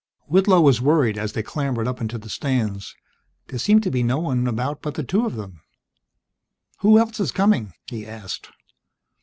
Whitlow was worried as they clambered up into the stands. There seemed to be no one about but the two of them. "Who else is coming?" he asked.